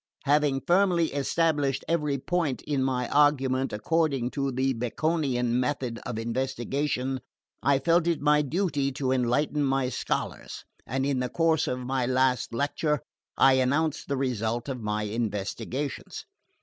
Having firmly established every point in my argument according to the Baconian method of investigation, I felt it my duty to enlighten my scholars; and in the course of my last lecture I announced the result of my investigations.